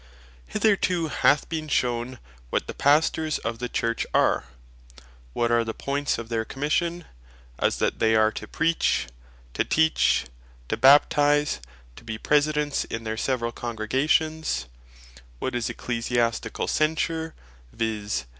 Hitherto hath been shewn what the Pastors of the Church are; what are the points of their Commission (as that they were to Preach, to Teach, to Baptize, to be Presidents in their severall Congregations;) what is Ecclesiasticall Censure, viz.